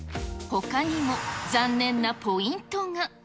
ほかにも、残念なポイントが。